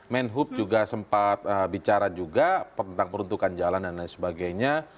menhub juga sempat bicara juga tentang peruntukan jalan dan lain sebagainya